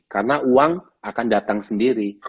karena uang akan datang sendiri